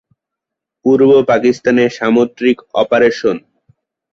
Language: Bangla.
পূর্ব পাকিস্তানে সামুদ্রিক অপারেশন।